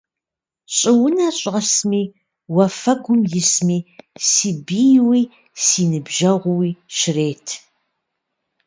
Щӏыунэ щӏэсми, уафэгум исми, си бийуи си ныбжьэгъууи щрет.